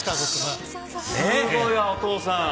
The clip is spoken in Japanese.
すごいやお父さん。